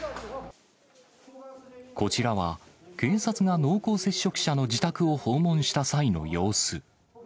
こちらは、警察が濃厚接触者の自宅を訪問した際の様子。